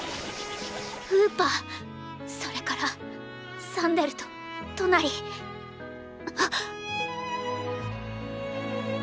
ウーパそれからサンデルとトナリッ！